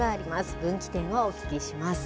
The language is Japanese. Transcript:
分岐点をお聞きします。